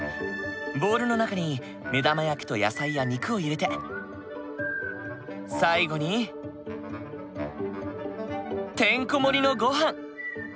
ボウルの中に目玉焼きと野菜や肉を入れて最後にてんこ盛りのごはん！